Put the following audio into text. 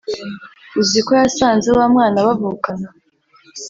uziko yasanze wamwana bavukana